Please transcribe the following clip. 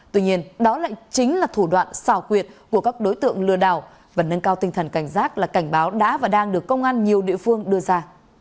tuy nhiên đó lại chính là thủ đoạn xào quyệt của các đối tượng lừa đảo và nâng cao tinh thần cảnh giác là cảnh báo đã và đang được công an nhiều địa phương đưa ra